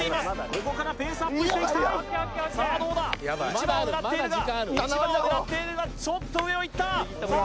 ここからペースアップしていきたいさあどうだ１番を狙っているが１番を狙っているがちょっと上をいったさあ